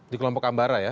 di kelompok ambara ya